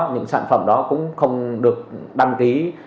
những sản phẩm đó cũng không được đăng ký